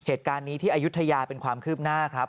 เหตุการณ์นี้ที่อายุทยาเป็นความคืบหน้าครับ